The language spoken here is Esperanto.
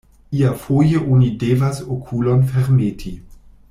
Iafoje oni devas okulon fermeti.